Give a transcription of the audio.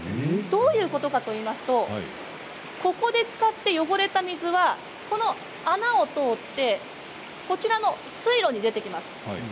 どういうことかといいますとここで使って汚れた水はこちらの穴を通って水路に出てきます。